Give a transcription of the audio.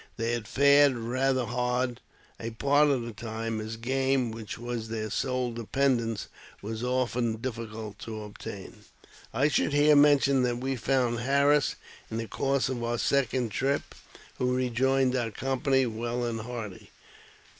They had fared rather hard a part of the time, as game, which was their sole dependence, was often difficult to obtain. 1 should here mention that we found Harris in the course of our second trip, who rejoined our company, well and hearty.